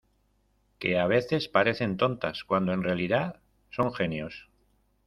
que a veces parecen tontas cuando en realidad son genios.